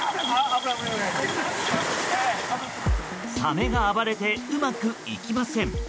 サメが暴れてうまくいきません。